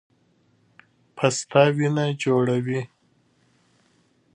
پسته وینه جوړوي